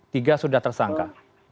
tiga sudah tersangka